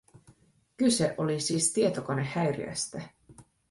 Kyse oli siis tietokonehäiriöstä.